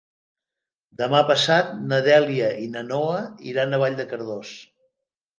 Demà passat na Dèlia i na Noa iran a Vall de Cardós.